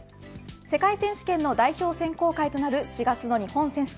世界選手権の代表選考会となる４月の日本選手権。